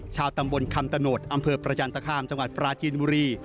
ชาวตำบลคำตะโนธอำเภอประจันตคามจังหวัดปราจีนบุรี